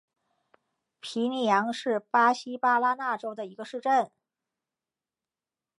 皮尼扬是巴西巴拉那州的一个市镇。